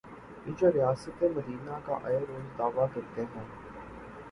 یہ جو ریاست مدینہ کا آئے روز دعوی کرتے ہیں۔